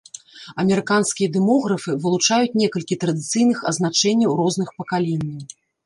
Амерыканскія дэмографы вылучаюць некалькі традыцыйных азначэнняў розных пакаленняў.